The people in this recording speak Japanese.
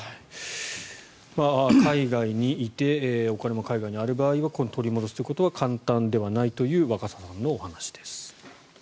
海外にいてお金も海外にある場合は取り戻すことは簡単ではないという若狭さんのお話です。